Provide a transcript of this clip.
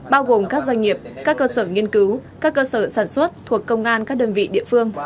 bao gồm các doanh nghiệp các cơ sở nghiên cứu các cơ sở sản xuất thuộc công an các đơn vị địa phương